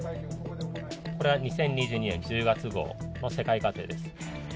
これは２０２２年１０月号の世界家庭です。